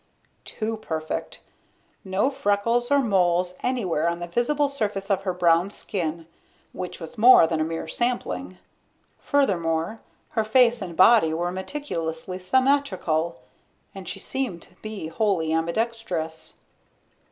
Too perfect. No freckles or moles anywhere on the visible surface of her brown skin, which was more than a mere sampling. Furthermore, her face and body were meticulously symmetrical. And she seemed to be wholly ambidextrous.